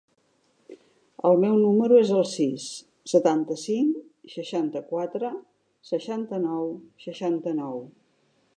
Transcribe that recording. El meu número es el sis, setanta-cinc, seixanta-quatre, seixanta-nou, seixanta-nou.